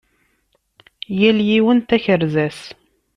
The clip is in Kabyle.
Yal yiwen takerza-s.